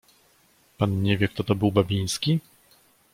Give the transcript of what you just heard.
"„Pan nie wie, kto to był Babiński?"